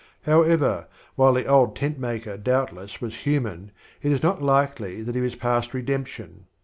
How ever, while the old Teut maker doubtless was human, it is not likely that he was past redemption.